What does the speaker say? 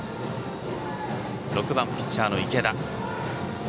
６番ピッチャーの池田。